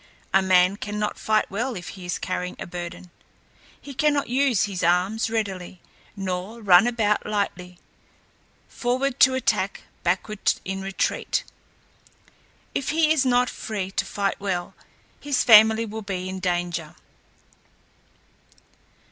A man cannot fight well if he is carrying a burden; he cannot use his arms readily, nor run about lightly forward to attack, backward in retreat. If he is not free to fight well, his family will be in danger.